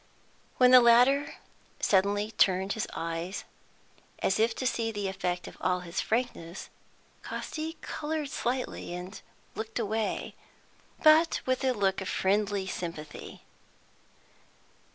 When the latter suddenly turned his eyes, as if to see the effect of all his frankness, Casti coloured slightly and looked away, but with a look of friendly sympathy.